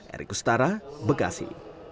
erik ustara bekasi